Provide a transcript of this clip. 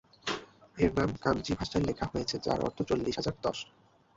এর নাম কানজি ভাষায় লেখা হয়েছে যার অর্থ "চল্লিশ হাজার দশ"।